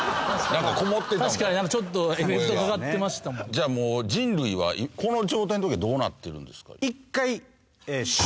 じゃあもう人類はこの状態の時はどうなってるんですか？